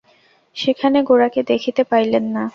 সেখানে গোরাকে দেখিতে পাইলেন না।